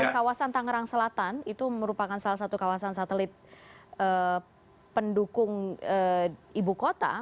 kawasan tangerang selatan itu merupakan salah satu kawasan satelit pendukung ibu kota